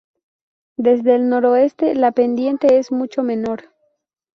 Desde el Noreste la pendiente es mucho menor.